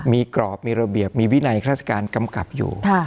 มีกรอบมีระเบียบมีวินัยข้าราชการกำกับอยู่